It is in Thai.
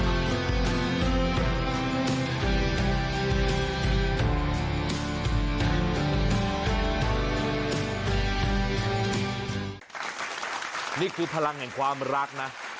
นี่คือพลังแห่งความรักนะ